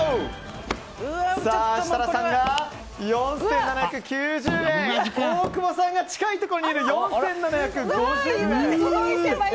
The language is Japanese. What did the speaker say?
設楽さんが４７９０円大久保さんが近いところにいる４７５０円。